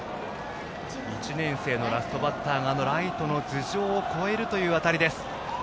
１年生のラストバッターがライトの頭上を越える当たりです。